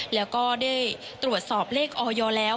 แล้วก็ได้ตรวจสอบเลขออยแล้ว